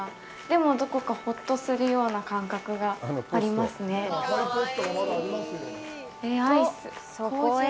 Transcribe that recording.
でも、どこかホッとするような感覚がありますね。と、そこへ。